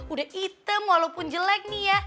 udah hitam walaupun jelek nih ya